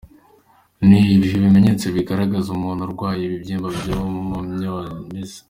Ni ibihe bimenyetso bigaragaza umuntu urwaye ibibyimba bya myomes?.